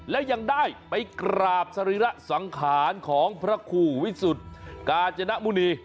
และยังได้ไปกราบสรีระสังขารของพระครูวิสุทธิ์กาญจนมุณี